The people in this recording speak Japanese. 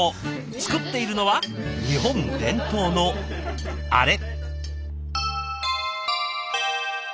作っているのは日本伝統のあれ。